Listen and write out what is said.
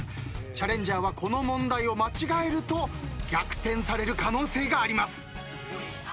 チャレンジャーはこの問題を間違えると逆転される可能性があります。